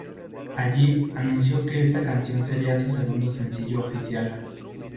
Allí anunció que esta canción sería su segundo sencillo oficial.